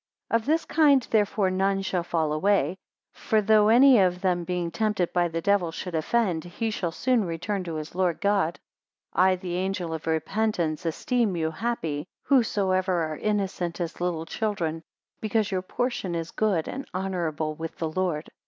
262 Of this kind therefore none shall fall away: for though any of them being tempted by the devil should offend, he shall soon return to his Lord God. 263 I the angel of repentance esteem you happy, whosoever are innocent as little children, because your portion is good and honourable with the Lord.